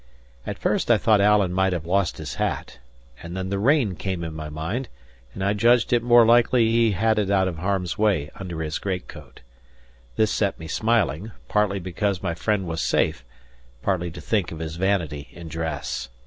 At first I thought Alan might have lost his hat; and then the rain came in my mind, and I judged it more likely he had it out of harm's way under his great coat. This set me smiling, partly because my friend was safe, partly to think of his vanity in dress.